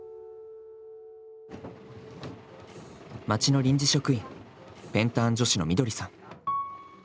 町の臨時職員ペンターン女子の緑さん。